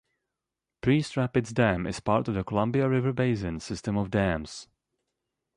Priest Rapids Dam is part of the Columbia River Basin system of dams.